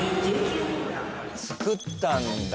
作ったんだ。